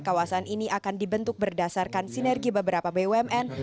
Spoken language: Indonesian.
kawasan ini akan dibentuk berdasarkan sinergi beberapa bumn